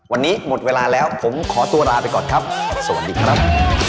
วันนี้หมดเวลาแล้วผมขอตัวลาไปก่อนครับสวัสดีครับ